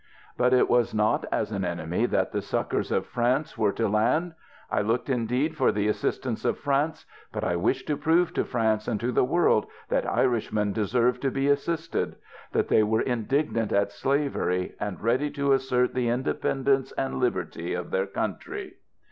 But it was not as an enemy that the succours of France were to land ; I looked indeed for the assistance of France ; but I wished to prove to France and to the world, that Irishmen deserved to be assisted ! That they were indignant at slavery, and ready to assert the independence and liberty of their country.